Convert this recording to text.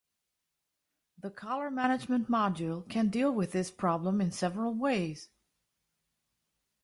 The color management module can deal with this problem in several ways.